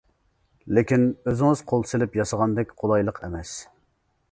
لېكىن ئۆزىڭىز قول سېلىپ ياسىغاندەك قولايلىق ئەمەس.